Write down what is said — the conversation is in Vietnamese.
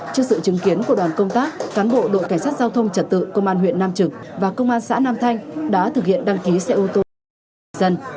trước sự chứng kiến của đoàn công tác cán bộ đội cảnh sát giao thông trật tự công an huyện nam trực và công an xã nam thanh đã thực hiện đăng ký xe ô tô cho người dân